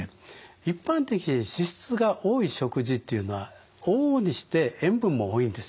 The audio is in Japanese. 一般的に脂質が多い食事というのは往々にして塩分も多いんですね。